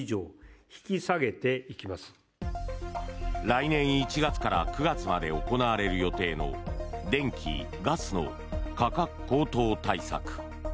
来年１月から９月まで行われる予定の電気・ガスの価格高騰対策。